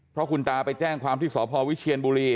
เพราะคุณตาไปแจ้งความที่สพวิเชียนบุรี